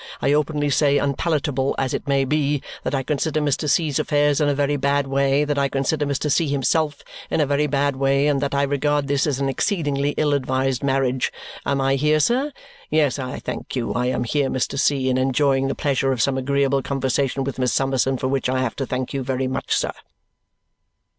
I openly say, unpalatable as it may be, that I consider Mr. C.'s affairs in a very bad way, that I consider Mr. C. himself in a very bad way, and that I regard this as an exceedingly ill advised marriage. Am I here, sir? Yes, I thank you; I am here, Mr. C., and enjoying the pleasure of some agreeable conversation with Miss Summerson, for which I have to thank you very much, sir!"